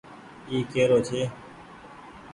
اي ڪيرو ڇي۔